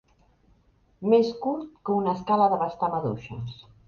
Més curt que una escala d'abastar maduixes.